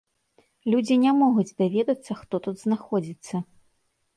Людзі не могуць даведацца, хто тут знаходзіцца.